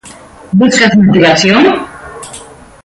¿Buscas motivación?